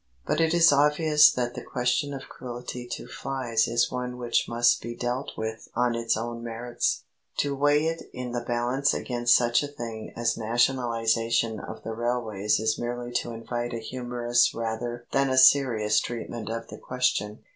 But it is obvious that the question of cruelty to flies is one which must be dealt with on its merits. To weigh it in the balance against such a thing as nationalisation of the railways is merely to invite a humorous rather than a serious treatment of the question.